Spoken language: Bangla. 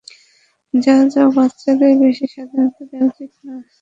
যাও যাও বাচ্চাদের বেশি স্বাধীনতা দেয়া উচিত নয়।